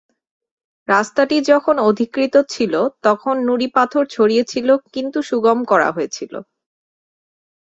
রাস্তাটি যখন অধিকৃত ছিল, তখন নুড়ি পাথর ছড়িয়ে ছিল কিন্তু সুগম করা হয়েছিল।